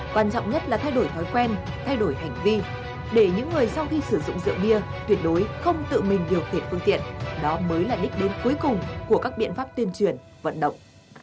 quan trọng nhất là thay đổi thói quen thay đổi hành vi để những người sau khi sử dụng rượu bia tuyệt đối không tự mình điều khiển phương tiện đó mới là đích đến cuối cùng của các biện pháp tuyên truyền vận động